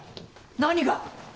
何が？